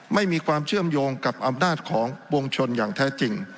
ไม่มีความเชื่อมโยงกับอำนาจของปวงชนอย่างแท้จริง